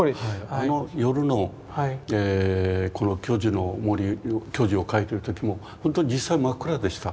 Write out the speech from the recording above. あの夜のこの巨樹の森巨樹を描いてる時もほんとに実際真っ暗でした。